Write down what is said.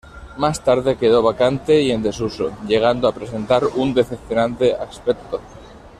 Más tarde quedó vacante y en desuso, llegando a presentar un decepcionante aspecto.